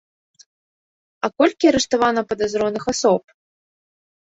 А колькі арыштавана падазроных асоб?!